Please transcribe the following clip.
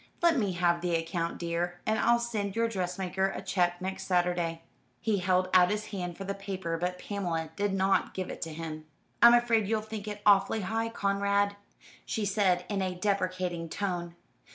Let me have the account, dear, and I'll send your dressmaker a cheque next Saturday." He held out his hand for the paper, but Pamela did not give it to him. "I'm afraid you'll think it awfully high, Conrad," she said, in a deprecating tone.